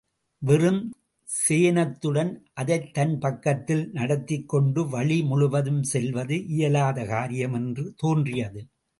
வெறும் சேணத்துடன், அதைத்தன் பக்கத்தில் நடத்திக் கொண்டு வழி முழுவதும் செல்வது இயலாத காரியம் என்று தோன்றியது.